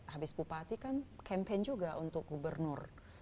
habis bupati kan campaign juga untuk gubernur